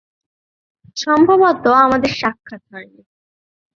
সম্ভবত আমাদের সাক্ষাৎ হয়নি।